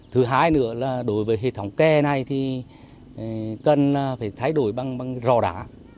thứ hai nữa là đối với hệ thống ke này thì cần phải thay đổi bằng rò đá